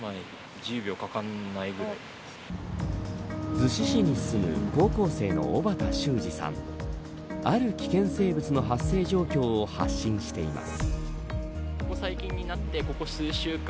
逗子市に住む高校生の小畑洲士さんある危険生物の発生状況を発信しています。